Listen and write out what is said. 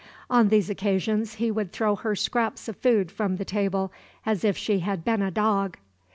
On these occasions he would throw her scraps of food from the table as if she had been a dog.